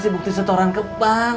bukti setoran kebang